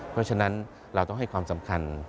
เพราะฉะนั้นเราต้องให้ความสำคัญ